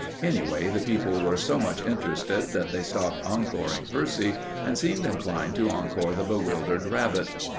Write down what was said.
Anyway, the people were so much interested that they stopped encoring Percy, and seemed inclined to encore the bewildered rabbit.